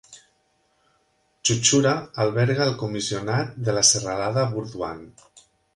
Chuchura alberga el comissionat de la serralada Burdwan.